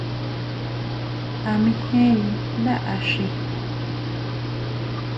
¿A mejenri ndá axi?